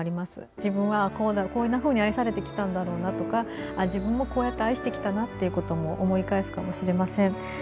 自分はこんなふうに愛されてきたんだとか自分もこうやって愛してきたなということも思い返すかもしれません。